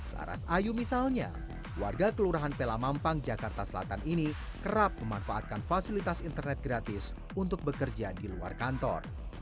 laras ayu misalnya warga kelurahan pelamampang jakarta selatan ini kerap memanfaatkan fasilitas internet gratis untuk bekerja di luar kantor